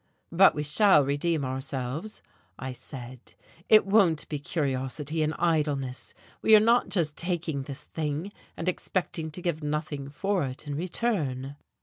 "But we shall redeem ourselves," I said. "It won't be curiosity and idleness. We are not just taking this thing, and expecting to give nothing for it in return."